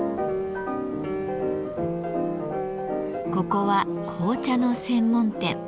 ここは紅茶の専門店。